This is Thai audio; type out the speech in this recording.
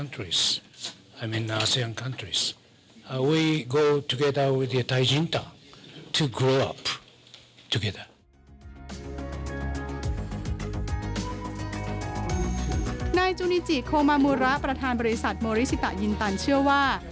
นายจูนิจิโคมามูระประธานบริษัทโมริชิตายินตันเชื่อว่า